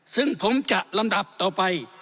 ซึ่งผมจะลำดับต่อไป